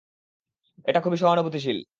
এটা খুবই সহানুভূতিশীল।